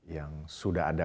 yang sudah ada